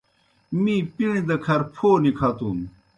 می پِݨیْ دہ کھر پھو نِکَھتُن۔